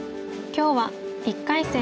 今日は１回戦